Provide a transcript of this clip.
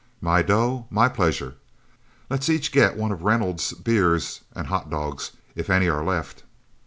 "My dough, my pleasure... Let's each get one of Reynolds' beers and hotdogs, if any are left..."